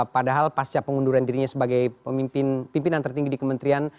padahal pasca pengunduran dirinya sebagai pimpinan tertinggi di kementerian